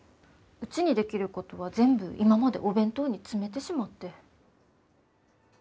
うちにできることは全部今までお弁当に詰めてしまって。